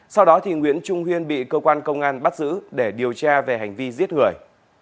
sau đó nguyễn trung huyên bị cơ quan công an bắt giữ để điều tra về hành vi giết người